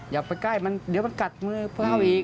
อย่าไปใกล้มันเดี๋ยวมันกัดมือเพื่อเอาอีก